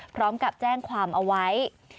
พร้อมกับแจ้งความเอาไว้